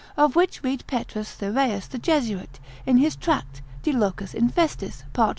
of which read Pet Thyraeus the Jesuit, in his Tract, de locis infestis, part.